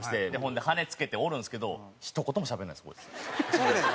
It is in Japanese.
しゃべらへんの？